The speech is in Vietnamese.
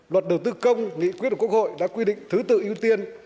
luật đầu tư công nghị quyết của quốc hội đã quy định thứ tự ưu tiên